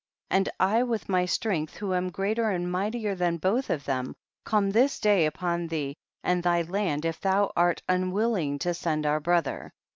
6. And I with my strength, who am greater and mightier than both of them, come this day upon thee and thy land if thou art unwilling to send our brother.